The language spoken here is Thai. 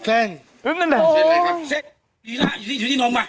วิ๊กอยู่ด้านน้ำมา